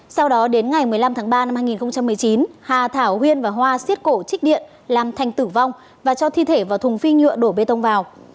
sau đó đến ngày một mươi năm tháng ba năm hai nghìn một mươi chín hà thảo huyên và hoa xiết cổ trích điện làm thành tử vong và cho thi thể vào thùng phi nhựa đổ bê tông vào